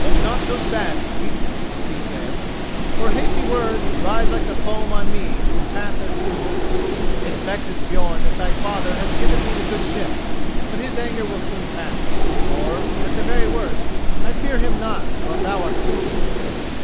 "Look not so sad, sweet," he said, "for hasty words rise like the foam on mead and pass as soon. It vexes Björn that thy father has given me the good ship: but his anger will soon pass, or, at the very worst, I fear him not while thou art true to me."